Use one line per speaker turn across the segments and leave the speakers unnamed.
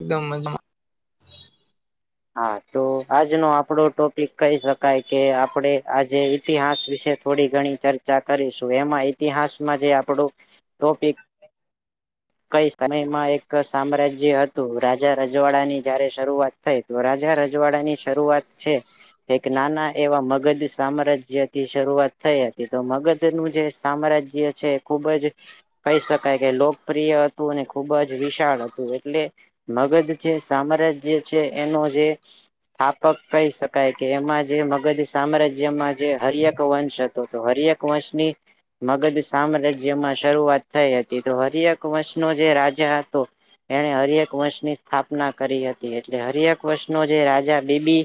એકદમ મજામાં.
હા, તો આજનો આપણો ટોપિક કહી શકાય કે આપણે આજે ઈતિહાસ વિશે થોડી ઘણી ચર્ચા કરીશું એમાં ઈતિહાસમાં આપણો ટોપિક કયા સમયમાં એક સામ્રાજ્ય હતું, રાજા-રજવાડાંની જ્યારે શરૂઆત થાય, તો રાજા-રજવાડાંની શરૂઆત છે. એક નાના એવા મગધ સામ્રાજ્યથી શરૂઆત થઈ હતી તો મગધનું જે સામ્રાજ્ય જે છે ખૂબ જ કહી શકાય કે લોક પ્રિય હતું અને ખૂબ જ વિશાળ હતું, એટલે મગધ છે સામ્રાજ્ય છે એનો જે સ્થાપક કહી શકાય કે એમાં જે મગજ સામ્રાજ્યમાં હર્યક વંશ હર્યક વંશથી મગધ સામ્રાજ્યમાં શરૂઆત થઈ હતી, તો હર્યક વંશનો જે રાજા હતો એણે હર્યક વંશની સ્થાપના કરી હતી એટલે હર્યક વંશનો જે રાજા ડી ડી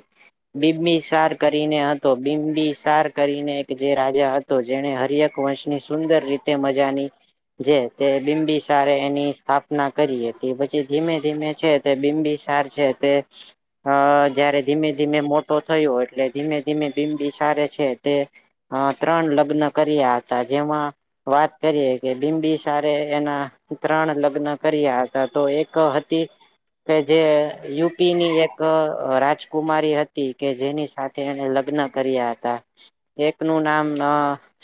બિંબિસાર કરીને હતો બીબીસાર કરીને એક રાજા હતા. જેને હર્યક વંશની સુંદર રીતે મજાની તે બિંબિસાર સારએ એમણે એની સ્થાપના કરી હતી પછી ધીમે ધીમે છે તે બીબીસાર છે તે અ જ્યારે ધીમે ધીમે મોટું થયું એટલે ધીમે ધીમે બિંબિસારે છે તે હા ત્રણ લગ્ન કર્યા હતા જેમાં વાત કરીએે કે બિમબી સારે એના ત્રણ લગ્ન કર્યા હતા તો એક હતી કે જે યુપીની એક રાજકુમારી હતી કે જેની સા થે એને લગ્ન કર્યા હતા એકનું નામ અ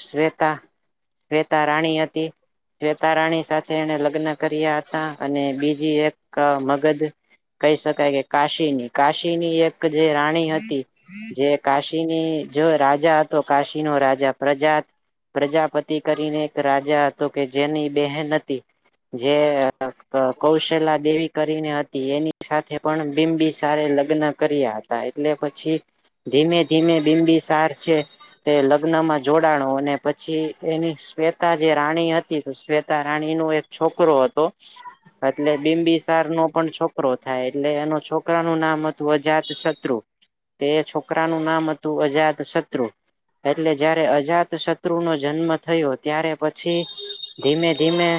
શ્વેતા શ્વેતા રાણી હતી શ્વેતા રાણી સા થે એણે લગ્ન કર્યા હતા અને બીજી એક મગજ કઈ શકાય કે કાશીની કાશીની એક જે રાણી હતી જે કાશીની જો રાજા હતો કાશી નો રાજા પ્રજા પ્રજાપતિ કરીને એક રાજા હતો કે જેની બહેન હતી જે અ કૌશલા દેવી કરીને હતી એની સાથે પણ બિંબી સારે લગ્ન કર્યા તા એટલે પછી ધીમે ધીમે બિંબી સાર છે તે લગ્નમાં જોડાણો અને પછી એની શ્વેતા જે રાણી હતી શ્વેતા રાણીનું એક છોકરો હતો એટલે બિંબીસાર નો પણ છોકરો થાય એટલે એનું છોકરાનું નામ હતું અજાત શત્રુ તે છોકરાનું નામ હતું અજાત શત્રુ એટલે જયારે અજાત શત્રુનો જન્મ થયો ત્યારે પછી ધીમે ધીમે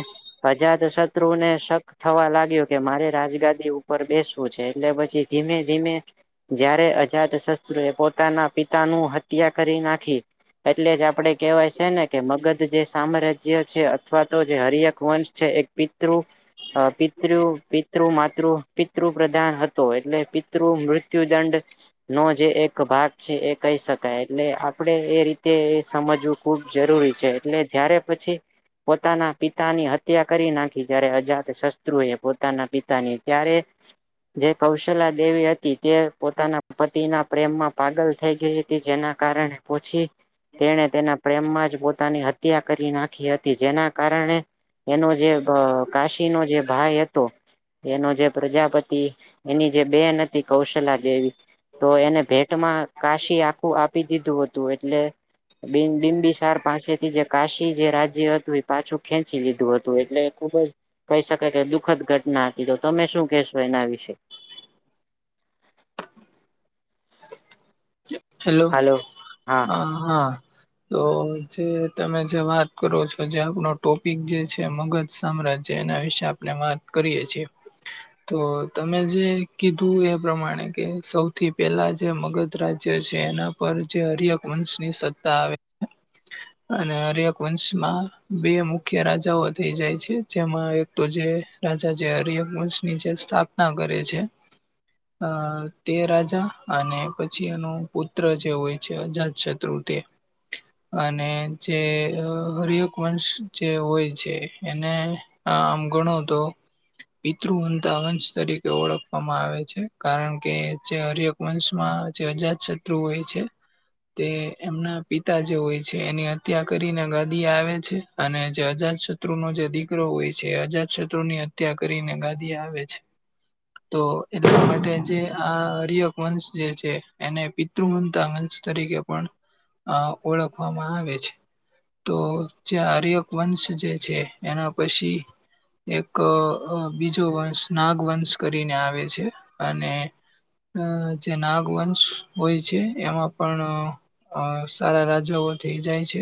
અજાત શત્રુને શક થવા લાગ્યો કે મારે રાજગાદી ઉપર બેસવું છે એટલે પછી ધીમે ધીમે જ્યારે અજાત શસ્ત્રુએ પોતાના પિતાનું હત્યા કરી નાખી એટલે જ આપડે કેહેવાય છે ને કે મગધ જે સામ્રાજ્ય છે અથવા તો જે હરિયક વંશ છે એક પિતૃ અ પિતૃ પિ તૃ માતૃ પિતૃ પ્રધાન હતો એટલે પિતૃ મૃત્યુદંડ નો જે એક ભાગ છે એ કહી શકાય એટલે આપડે એ રીતે એ સમજવું ખૂબ જરૂરી છે એટલે જયારે પછી પોતાના પિતાની હ ત્યા કરી નાખી જ્યારે અજાત શસ્ત્રુએ પોતાના પિતાની ત્યારે જે કૌશલ્યા દેવી હતી તે પોતાના પતિના પ્રેમમાં પાગલ થઈ ગઈ હતી જેના કારણે પછી તેણે તેના પ્રેમમાં જ પોતાની હ ત્યા કરી નાખી હતી જેના કારણે એનો જે અ કાશીનો જે ભાઈ હતો એનો જે પ્રજાપતિ એની જે બેન હતી કૌશલા દેવી તો એને ભેટમાં કાશી આખું આપી દીધું હતું એટલે બિન બિંમ બીસાર પાસેથી જે કાશી જે રાજ્ય હતું એ પાછું ખેંચી લી ધું હતું એટલે ખુબ જ કહી શકાય કે દુખદ ઘટના હતી તો તમે શું કેહેશો એના વિશે
હેલો
હાલો
હા હા. તો જે તમે જે વાત કરો છો જે આપણો ટોપિક જે છે મગદ સામ્રાજ્ય એના વિશે આપણે વાત કરીએ છીએ તો તમે જે કીધું એ પ્રમાણે કે સૌથી પેલા જે મગધ રાજ્ય છે એના પર જે હર્યક વંશની સત્તા આવે અને હર્યક વંશમાં બે મુખ્ય રાજાઓ થઈ જાય છે જેમાં એક તો જે રાજા જે હર્યક વંશની જે સ્થાપના કરે છે. અ તે રાજા અને પછી એનો પુત્ર જે હોય છે અજાત શત્રુ તે અને જે હર્યક વંશ જે હોય છે એને આમ ગણો તો પિતૃવતા વંશ તરીકે ઓળખવામાં આવે છે કારણ કે જે હર્યક વંશમાં જે અજાત શત્રુ હોય છે. તે એમના પિતા જે હોય છે એની હત્યા કરીને ગાદી આવે છે અને જે જય જય શત્રુનો જે દીકરો હોય છે અજાત શત્રુની હત્યા કરીને ગાદી આવે છે. તો એટલે માટે જે આ રયો વંશ જે છે એને પિતૃમતા વંશ તરીકે પણ અ ઓળખવામાં આવે છે. તો જે આર્યક વંશ જે છે એના પછી એક અ બીજો વંશ નાગ વંશ કરીને આવે છે અને અ જે નાગ વંશ હોય છે એમાં પણ અ સારા રાજાઓ થઈ જાય છે.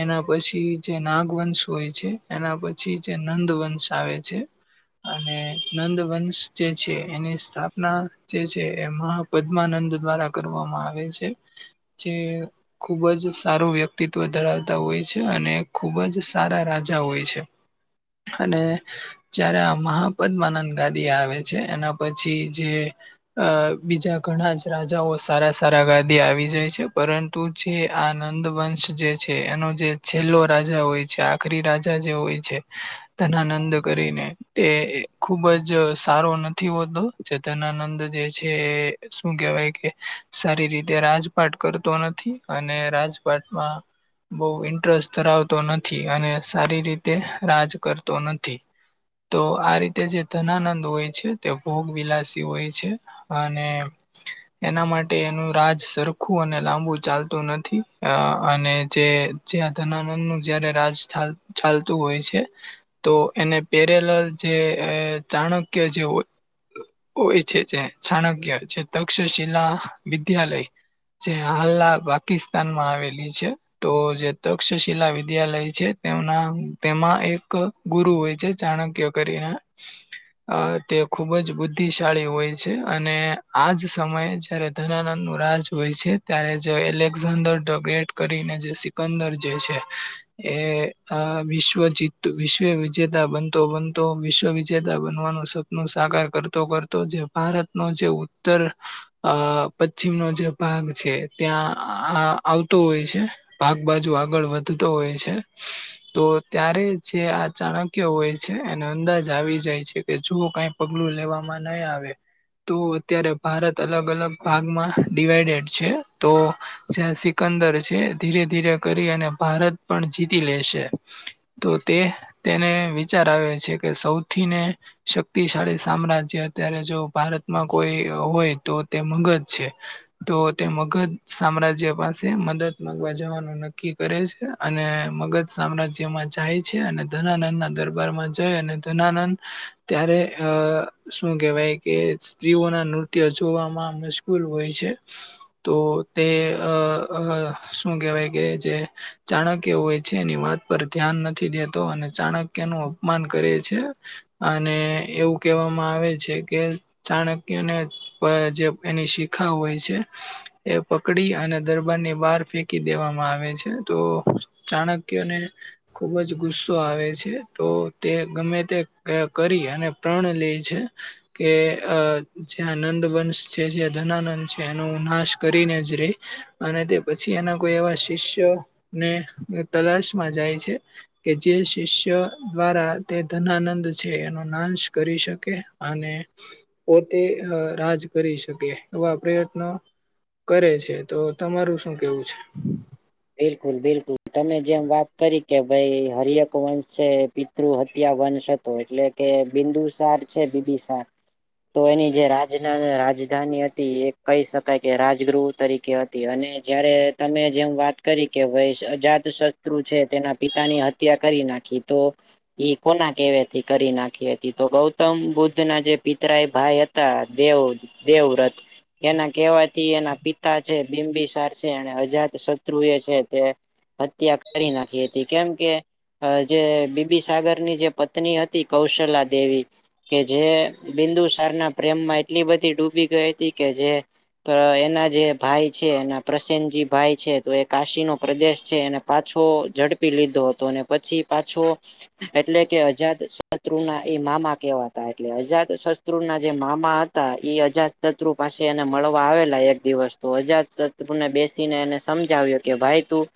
એના પછી જે નાગવંશ હોય છે એના પછી જે નંદ વંશ આવે છે. અને નંદ વંશ જે છે એની સ્થાપના જે છે. જે એમાં પદ્માનંદ દ્વારા કરવામાં આવે છે જે ખૂબ જ સારું વ્યક્તિત્વ ધરાવતા હોય છે અને ખૂબ જ સારા રાજા હોય છે. અને. જારે આ મહાપદ્માનંદ ગાદી આવે છે એના પછી જે અ બીજા ઘણા જ રાજાઓ સારા સારા ગાદી આવી જાય છે પરં તું છે આ નંદ વંશ જે છે એનો જે છેલ્લો રાજા હોય છે આ આખરી રાજા જે હોય છે ધનાનંદ કરીને. એ ખુબ જ સારો નથી હોતો જે ધનાનંદ જે છે શું કેવાય કે સારી રીતે રાજપાટ કરતો નથી અને રાજ પટમાં. બહુ ઇન્ટરેસ્ટ ધરાવતો નથી અને સારી રીતે રાજ કરતો નથી. તો આ રીતે જે ધનાનંદ હોય છે તે ભોગ વિલાસી હોય છે. અને. એના માટે એનું રાજ સરખું અને લાંબુ ચાલતું નથી, અ અને જે. જ્યાં ધનાનંદનું જયારે રાજ ચાલતું હોય છે. તો એને પેરેલર જે ચાણક્ય જે હોય. હોય છે, જે ચાણક્ય જે તક્ષશિલા વિદ્યાલય. જે હાલના પાકિસ્તાનમાં આવેલી છે. તો જે તક્ષશિલા વિદ્યાલય છે, તેમના તેમાં એક. ગુરુ હોય છે ચાણક્ય કરીને, અ તે ખુબ જ બુદ્ધિશાળી હોય છે. અને આજ સમયે જયારે ધનાનંદનું રાજ હોય છે, ત્યારે જો એલેક્ઝાન્ડર ધ ગ્રેટ. કરીને જે સિકંદર જે છે. એ આ વિશ્વ જીત, વિશ્વ વિજેતા બનતો-બનતો વિશ્વ વિજેતા બનવાનો. નો સાકાર કરતો, કરતો જે ભારતનો જે ઉત્તર. અ પશ્ચિમનો જે ભાગ છે, ત્યાં આ આવતો હોય છે. પાક બાજુ આગળ વધતો હોય છે. તો, ત્યારે જે આ ચાણક્ય હોય છે એને અંદાજ આવી જાય છે કે જુઓ. પગલું લેવામાં નહીં આવે. તો અત્યારે ભારત અલગ- અલગ ભાગમાં ડિવાઈડેડ છે, તો. જ્યાં સિકંદર છે, ધીરે-ધીરે કરી અને ભારત પણ જીતી લે છે. તો તે, તેને વિચાર આવે છે કે સૌથીને. શક્તિશાળી સામ્રાજ્ય અત્યારે જો. ભારતમાં કોઈ હોય તો તે મગધ છે. તો તે મગધ સામ્રાજ્ય પાસે મદદ માગવા જવાનું નક્કી કરે છે. અને મગધ સામ્રાજ્યમાં જાય છે, અને ધનાનંદના દરબારમાં જઈ અને ધનાનંદ. ત્યારે અ શું કહેવાય. કે સ્ત્રીઓના નૃત્ય જોવામાં મશગૂલ હોય છે. તો, તે અ અ શું કેહેવાય કે જે ચાણક્ય હોય છે એની વાત. પર ધ્યાન નથી દેતો અને ચાણક્યનું અપમાન કરે છે. અને એવું કહેવામાં આવે છે કે, ચાણક્યને. [unintelligible] જે એની શીખા હોય છે. એ પકડી અને દરબારની બહાર ફેંકી દેવામાં આવે છે, તો ચાણક્યને. ખુબ જ ગુસ્સો આવે છે, તો તે ગમે તે કરી અને પ્રણ લે છે. એ અ જ્યાં નંદ વંશ છે, જ્યાં ધનાનંદ છે એનો નાશ કરીને જ રેય. અને તે પછી એના કોઈ એવા શિષ્યો ને તલાશમાં જાય છે. કે જે શિષ્ય દ્વારા તે ધનાનંદ છે એનો નાશ કરી શકે અને. પોતે અ રાજ કરી શકે, એવા પ્રયત્નનો. કરે છે, તો તમારું શું કેવું છે.
બિલકુલ, બિલકુલ તમે જેમ વાત કરી કે ભાઈ હરિયક વંશ છે. [unintelligible] હત્યા વંશ હતો એટલે કે, બિંદુસાર છે બીબીસાર. તો એની જે રાજ રાજધાની હતી, એ કહી શકાય કે રાજગુહ તરીકે. [unintelligible] અને જયારે તમે જેમ વાત. કરી કે ભાઈ અજાત શત્રુ છે, તેના પિતાની હત્યા કરી નાખી તો. એ કોના કેવાથી કરી નાખી હતી, તો ગૌતમ બુદ્ધના જે પિતરાય ભાઈ. હતા, દેવ દેવરત. એના કેવાથી એના પિતા છે, બિમ્બીસાર છે એણે અજાત શત્રુ એ છે તે. હત્યા કરી નાખી હતી, કેમ કે. અ જે બીબી સાગર ની જે પત્ની હતી કૌશલા દેવી કે જે બિંદુસાર ના પ્રેમમાં એટલી બધી ડૂબી ગઈ હતી કે જે અ એના જે ભાઈ છે એના પ્રસેનજી ભાઈ છે તો એ કાશી નો પ્રદેશ છે એને પાછો ઝડપી લીધો હતો અને પછી પાછો એટલે કે અજાદશત્રુ ના એ મામા કેવાતા એટલે અજાદ શત્ર ત્રુ ના જે મામા હતા એ અજાત શત્રુ પાસે એને મળવા આવેલા એક દિવસ તો અજાતશત્રુને બેસીને એને સમજાવ્યો કે ભાઈ તું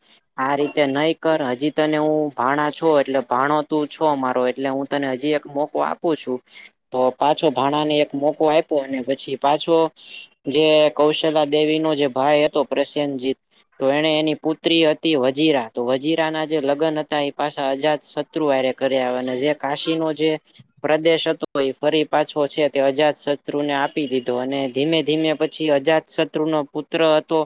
આ રીતે નહી કર હજી તને હું ભાણા છો એટલે ભાણો તું છો મારો એટલે હું તને હજી એક મોકો આપું છું તો પાછો ભાણા ને એક મોકો આયપો અને પછી પાછો જે કૌશલા દેવી નો જે ભાઈ હતો [unintelligible] તો એને એની પુત્રી હતી વજીરા તો વજીરા ના જે લગન હતા એ પાછા અજાતષ ત્રુ હારે કર્યા અને જે કાશી નો જે પ્રદેશ હતો ફરી પાછો છે તે અજાતશત્રુને આપી અને ધીમે ધીમે પછી અજાત શત્રુ નો પુત્ર હતો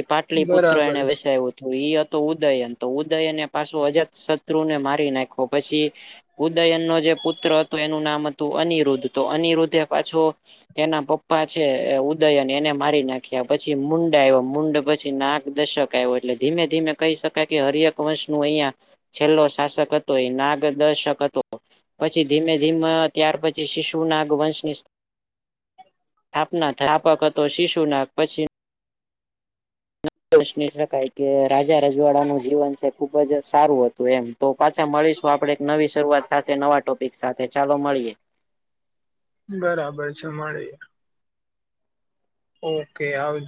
એ પાટલી પુત્ર
બરાબર
એને
છે
વસાય્યો તો ઈ હતો ઉદયન તો ઉદયન એ પાછું અજાતશત્રુ ને મારી નાખો પછી ઉદયન ન જે પુત્ર હતો એનું નામ હતું અનિરુદ્ધ તો અનિરુધે પાછો એના પપ્પા છે ઉદયન એને મારી નાખ્યા પછી મુંડ આવ્યો મુંડ પછ નાગ દર્શક આવ્યો એટલે ધીમે ધીમે કહી શકાય કે હરયક વંશ નું અહિયાં છેલ્લો શાસક હતો એ નાગદર્શક હતો પછી ધીમે ધીમા ત્યાર પછી શિશુ નાગ વંશની સ્થાપના થ સ્થાપક હતો શીશુ ના પછી [unintelligible] શકાય કે રાજા રજવાડાનું જીવન છે ખુબ જ સારું હતું એમ તો પાછા મળીશું આપડે એક નવી શરૂઆત સાથે નવા ટોપિક સાથે ચાલો મળીએ
બરાબર છે મળીએ ઓકે આવ